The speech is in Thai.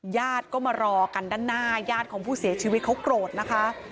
ญาติก็มารอกันด้านหน้าญาติของผู้เสียชีวิตเขาโกรธนะคะ